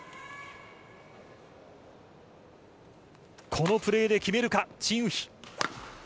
このプレーで決めるか、チン・ウヒ。